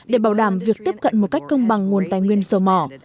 để bảo đảm việc tiếp cận một cách công bằng nguồn tài nguyên dầu mỏ